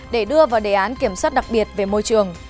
để đưa vào đề án kiểm soát đặc biệt về môi trường